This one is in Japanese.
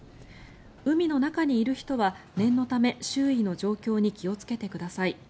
海の中にいる人は念のため、周囲の状況に気をつけてください。